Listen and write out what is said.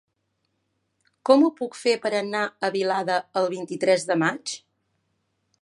Com ho puc fer per anar a Vilada el vint-i-tres de maig?